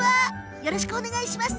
よろしくお願いします。